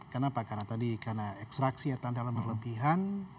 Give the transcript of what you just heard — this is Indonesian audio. kenapa karena tadi karena ekstraksi ya tanah dalam berlebihan